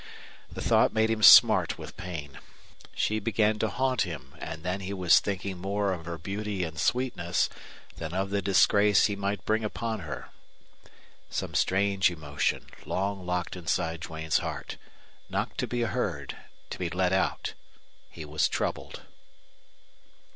The thought made him smart with pain. She began to haunt him, and then he was thinking more of her beauty and sweetness than of the disgrace he might bring upon her. Some strange emotion, long locked inside Duane's heart, knocked to be heard, to be let out. He was troubled.